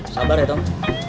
sabar ya tong